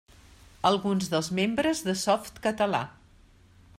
Alguns dels membres de Softcatalà.